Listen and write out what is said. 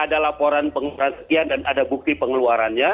ada laporan pengperhatian dan ada bukti pengeluarannya